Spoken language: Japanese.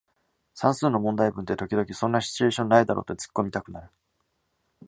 算数の問題文って時々そんなシチュエーションないだろってツッコミたくなる